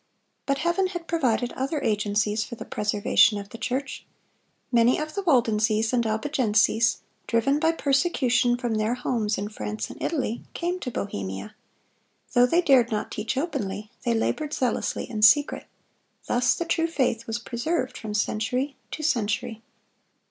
But Heaven had provided other agencies for the preservation of the church. Many of the Waldenses and Albigenses, driven by persecution from their homes in France and Italy, came to Bohemia. Though they dared not teach openly, they labored zealously in secret. Thus the true faith was preserved from century to century.